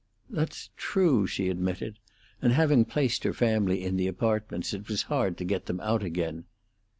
"That's true," she admitted, and, having placed her family in the apartments, it was hard to get them out again.